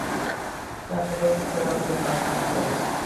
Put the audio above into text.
دا خبرې پخپله اوږد بحث ته اړتیا لري.